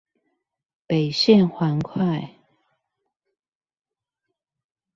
北縣環快